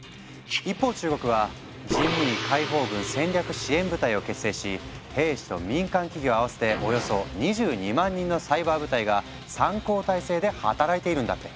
一方中国は「人民解放軍戦略支援部隊」を結成し兵士と民間企業合わせておよそ２２万人のサイバー部隊が３交代制で働いているんだって。